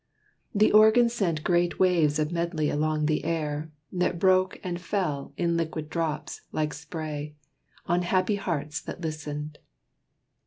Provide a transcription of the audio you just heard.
The organ sent Great waves of melody along the air, That broke and fell, in liquid drops, like spray, On happy hearts that listened.